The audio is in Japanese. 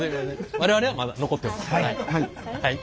我々はまだ残ってます。